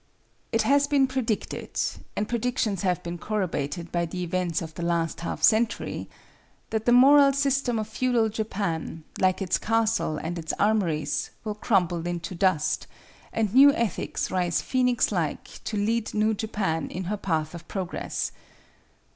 It has been predicted—and predictions have been corroborated by the events of the last half century—that the moral system of Feudal Japan, like its castles and its armories, will crumble into dust, and new ethics rise phoenix like to lead New Japan in her path of progress.